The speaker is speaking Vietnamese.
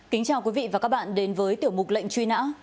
kính chào quý vị và các bạn đến với tiểu mục lệnh truy nã